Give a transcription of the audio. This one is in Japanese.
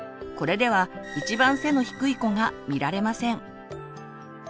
これでは一番背の低い子が見られません。